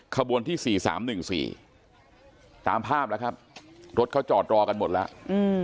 ขบวนที่๔๓๑๔ตามภาพแล้วครับรถเขาจอดรอกันหมดแล้ว